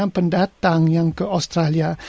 pendatang yang ke australia